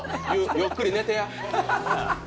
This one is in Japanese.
ゆっくり寝てや。